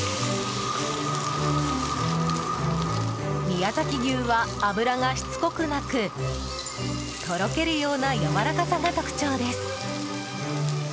宮崎牛は脂がしつこくなくとろけるようなやわらかさが特徴です。